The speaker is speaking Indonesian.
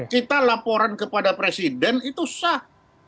kita laporan kepada presiden itu sah